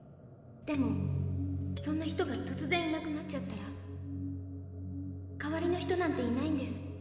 でもそんな人がとつぜんいなくなっちゃったら代わりの人なんていないんです。